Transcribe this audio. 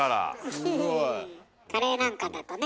カレーなんかだとね